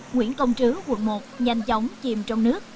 nguyễn công trứ quận một nhanh chóng chìm trong nước